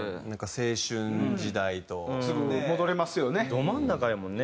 ど真ん中やもんね